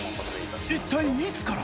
一体いつから？